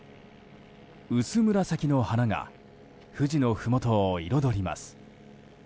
薄紫の花が富士のふもとを彩ります。